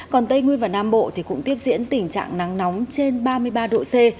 còn tây nguyên và nam bộ thì cũng tiếp diễn tình trạng nắng nóng trên ba mươi ba độ c